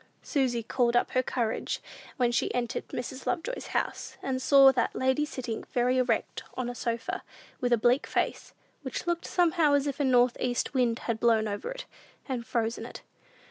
Susy called up all her courage when she entered Mrs. Lovejoy's house, and saw that lady sitting very erect on a sofa, with a bleak face, which looked somehow as if a north east wind had blown over it, and frozen it.